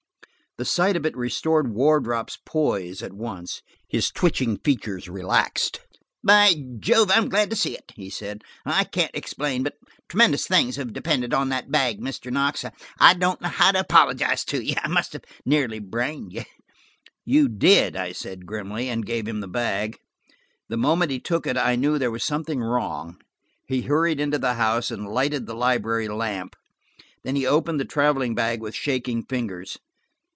The sight of it restored Wardrop's poise at once. His twitching features relaxed."By Jove, I'm glad to see it," he said. "I can't explain, but–tremendous things were depending on that bag, Mr. Knox. I don't know how to apologize to you; I must have nearly brained you." "You did," I said grimly, and gave him the bag. The moment he took it I knew there was something wrong; he hurried into the house and lighted the library lamp. Then he opened the traveling bag with shaking fingers.